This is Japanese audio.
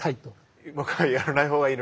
はい。